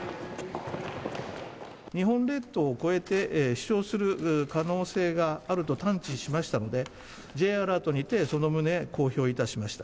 日本列島を越えて飛しょうする可能性があると探知しましたので、Ｊアラートにて、その旨公表いたしました。